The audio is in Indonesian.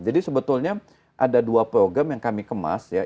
jadi sebetulnya ada dua program yang kami kemas ya